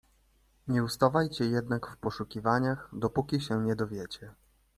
"Nie ustawajcie jednak w poszukiwaniach, dopóki się nie dowiecie."